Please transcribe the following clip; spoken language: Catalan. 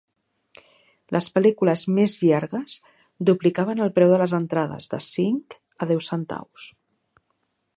Les pel·lícules més llargues duplicaven el preu de les entrades, de cinc a deu centaus.